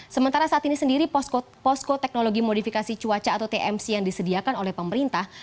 sementara saat ini sendiri posko teknologi modifikasi cuaca atau tmc yang disediakan oleh pemerintah